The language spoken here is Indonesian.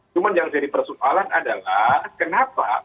cuman yang jadi persoalan adalah